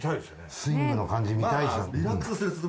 スイングの感じ見たい。